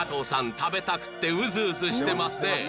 食べたくってうずうずしてますね？